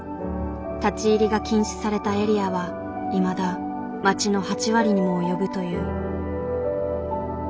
立ち入りが禁止されたエリアはいまだ町の８割にも及ぶという。